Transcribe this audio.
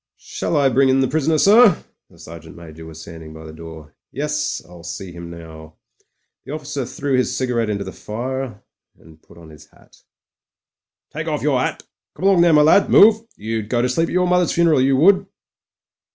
... *'Shall I bring in the prisoner, sir ?" The Sergeant Major was standing by the door. •'Yes, I'll see him now." The officer threw his cig arette into the fire and put on his hat. "Take off your 'at. Come along there, my lad — move. You'd go to sleep at your mother's funeral — ^you would."